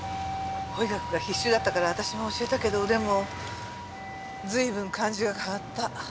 法医学が必修だったから私も教えたけどでも随分感じが変わった。